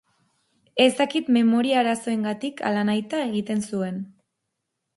Ez dakit memoria arazoengatik ala nahita egiten zuen.